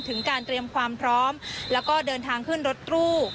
ถึงการเตรียมความพร้อมแล้วก็เดินทางขึ้นรถตู้